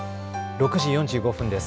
６時４５分です。